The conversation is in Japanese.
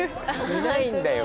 いないんだよ